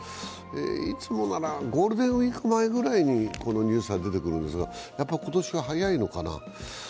いつもならゴールデンウイーク前ぐらいに、このニュースは出てくるんですが、今年は早いのかな。